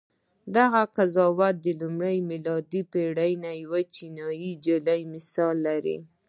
دغه قضاوت د لومړۍ میلادي پېړۍ یوې چینایي نجلۍ مثال لري.